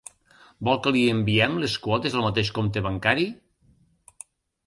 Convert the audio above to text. Vol que li enviem les quotes al mateix compte bancari?